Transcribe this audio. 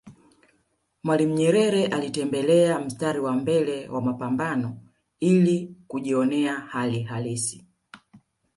Mwalimu Nyerere alitembelea mstari wa mbele wa mapambano ili kujjionea hali halisi